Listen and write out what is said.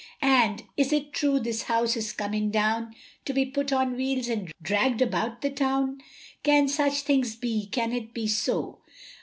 And is it true this house is coming down, To be put on wheels and dragged about the town? Can such things be, can it be so!